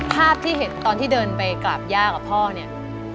ภาพที่เห็นตอนที่เดินไปกราบย่ากับพ่อเนี่ย